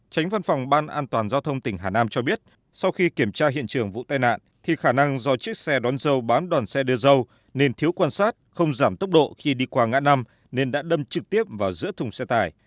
tránh văn phòng ban an toàn giao thông tỉnh hà nam cho biết sau khi kiểm tra hiện trường vụ tai nạn thì khả năng do chiếc xe đón dâu bán đoàn xe đưa dâu nên thiếu quan sát không giảm tốc độ khi đi qua ngã năm nên đã đâm trực tiếp vào giữa thùng xe tải